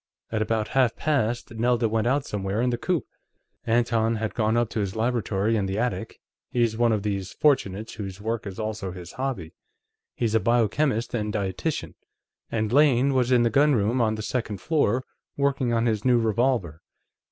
At about half past, Nelda went out somewhere in the coupé. Anton had gone up to his laboratory, in the attic he's one of these fortunates whose work is also his hobby; he's a biochemist and dietitian and Lane was in the gunroom, on the second floor, working on his new revolver.